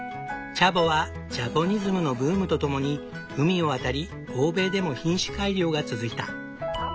チャボはジャポニズムのブームとともに海を渡り欧米でも品種改良が続いた。